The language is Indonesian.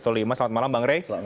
selamat malam bang rey